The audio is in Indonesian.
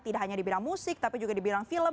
tidak hanya di bidang musik tapi juga di bidang film